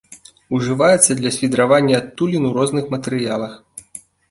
Ужываецца для свідравання адтулін у розных матэрыялах.